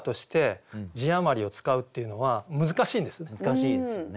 難しいですよね。